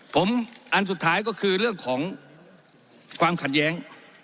ผมอันสุดท้ายก็คือเรื่องของความขัดแย้ง